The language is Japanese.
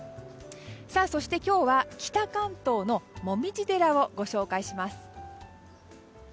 そして今日は北関東のモミジ寺をご紹介します。